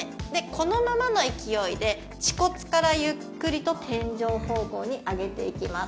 このままの勢いで恥骨からゆっくりと天井方向に上げていきます